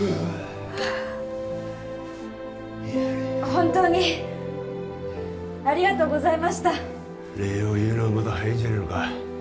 本当にありがとうございました礼を言うのはまだ早いんじゃないのか？